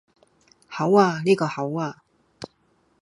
口呀,呢個口呀